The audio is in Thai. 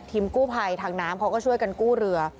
กู้ภัยทางน้ำเขาก็ช่วยกันกู้เรือ